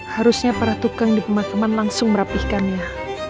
harusnya para tukang di pemakaman langsung merapihkannya